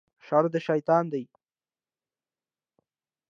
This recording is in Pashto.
شر د شیطان دی